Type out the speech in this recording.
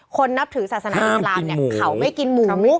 คนนับถือศาสนาอิสลามเขาไม่กินหมู